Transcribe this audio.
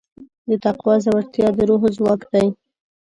د تقوی زړورتیا د روح ځواک دی.